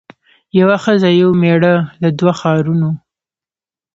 یوه ښځه یو مېړه له دوو ښارونو